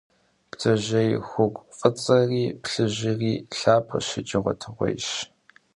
Бдзэжьей хугу фӏыцӏэри плъыжьри лъапӏэщ икӏи гъуэтыгъуейщ.